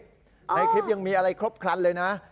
ในคลิปยังมีอะไรครบครันเลยนะ